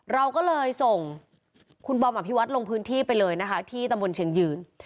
เราก็เลยส่งคุณบอมอภิวัตรลงพื้นที่ไปเลยนะคะที่ตำบลเชียงยืน